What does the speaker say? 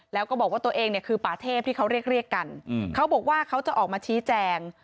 แล้วก็บอกว่าตัวเองเนี่ยคือป่าเทพที่เขาเรียกกันเขาบอกว่าเขาจะออกมาชี้แจง